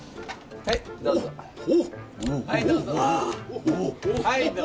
はいどうぞ。